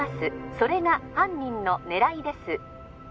☎それが犯人の狙いです